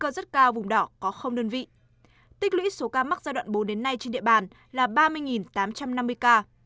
mắc giai đoạn bốn đến nay trên địa bàn là ba mươi tám trăm năm mươi ca